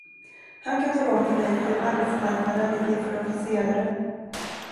Han kan tala om för dig, hur arbetsmarknaden ligger för officerare.